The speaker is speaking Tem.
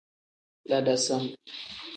La dasam.